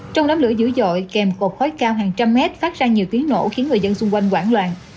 trong đám lửa dữ dội kèm cột khói cao hàng trăm mét phát ra nhiều tiếng nổ khiến người dân xung quanh hoảng loạn